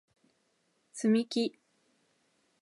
つみき